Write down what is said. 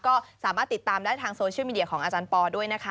ก็สามารถติดตามได้ทางโซเชียลมีเดียของอาจารย์ปอด้วยนะคะ